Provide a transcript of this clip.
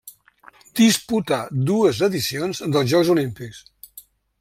Disputà dues edicions dels Jocs Olímpics.